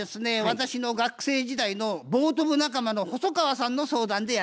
私の学生時代のボート部仲間の細川さんの相談でやって来たんですよ。